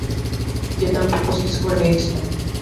Es originaria de África donde se distribuye por Egipto y Sudán.